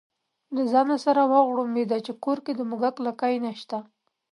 له ځانه سره وغړمبېده چې کور کې د موږک لکۍ نشته.